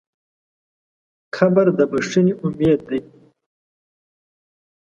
قبر د بښنې امید دی.